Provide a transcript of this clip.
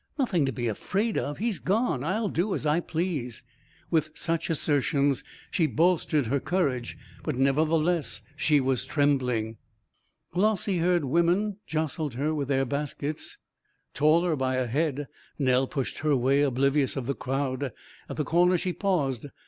"Nothing to be afraid of. He's gone. I'll do as I please." With such assertions she bolstered her courage, but nevertheless she was trembling.... Glossy haired women jostled her with their baskets. Taller by a head, Nell pushed her way oblivious of the crowd. At the corner she paused.